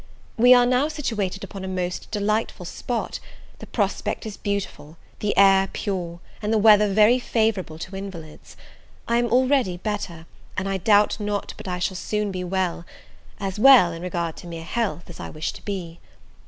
We are situated upon a most delightful spot; the prospect is beautiful, the air pure, and the weather very favourable to invalids. I am already better, and I doubt not but I shall soon be well; as well, in regard to mere health, as I wish to be.